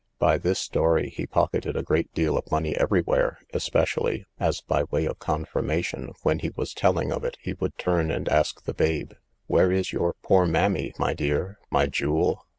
By this story he pocketed a great deal of money every where, especially, as by way of confirmation, when he was telling of it, he would turn and ask the babe, where is your poor mammy, my dear, my jewel?